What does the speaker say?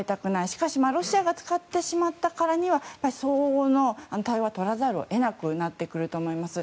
しかしロシアが使ってしまったからには相応の対応はとらざるを得なくなると思います。